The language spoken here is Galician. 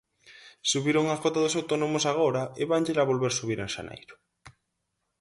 Subiron a cota dos autónomos agora e vánllela volver subir en xaneiro.